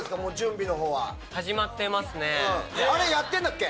やってんだっけ？